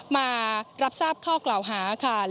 มารับทราบข้อกล่าวหาค่ะ